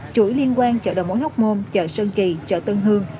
chuỗi liên quan chợ đồng mối hốc môn chợ sơn kỳ chợ tân hương